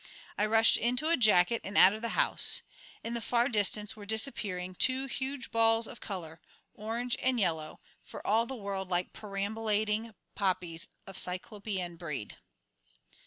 I rushed into a jacket and out of the house. In the far distance were disappearing two huge balls of colour, orange and yellow, for all the world like perambulating poppies of cyclopean breed.